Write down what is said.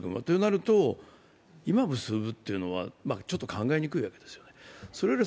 となると、今、結ぶというのはちょっと考えにくいわけです。